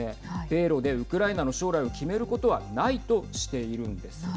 米ロでウクライナの将来を決めることはないとなるほど。